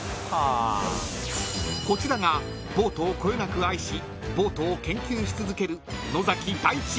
［こちらがボートをこよなく愛しボートを研究し続ける］